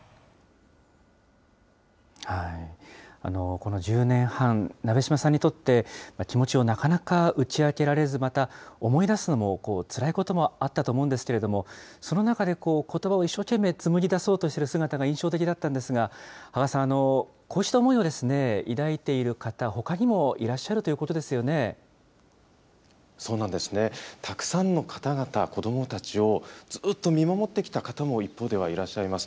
この１０年半、鍋島さんにとって、気持ちをなかなか打ち明けられず、思い出すのもつらいこともあったと思うんですけれども、その中でことばを一生懸命紡ぎ出そうとしている姿が印象的だったんですが、芳賀さん、こうした思いを抱いている方、ほかにもいらそうなんですね、たくさんの方々、子どもたちを、ずっと見守ってきた方も一方ではいらっしゃいます。